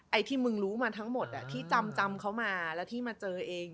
ไอ้ที่มึงรู้มาทั้งหมดที่จำเขามาแล้วที่มาเจอเอง